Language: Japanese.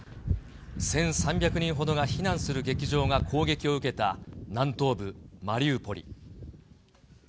１３００人ほどが避難する劇場が攻撃を受けた南東部マリウポリ。